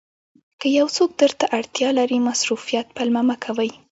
که یو څوک درته اړتیا لري مصروفیت پلمه مه کوئ.